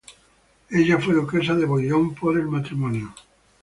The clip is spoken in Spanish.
Ella fue duquesa de Bouillon por el matrimonio.